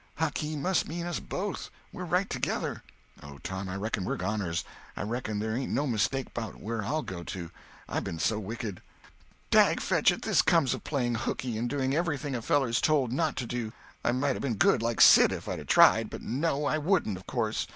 "Huck, he must mean us both—we're right together." "Oh, Tom, I reckon we're goners. I reckon there ain't no mistake 'bout where I'll go to. I been so wicked." "Dad fetch it! This comes of playing hookey and doing everything a feller's told not to do. I might a been good, like Sid, if I'd a tried—but no, I wouldn't, of course.